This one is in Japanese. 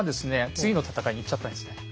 次の戦いに行っちゃったんですね。